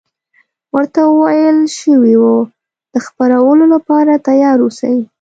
ورته ویل شوي وو د خپرولو لپاره تیار اوسي.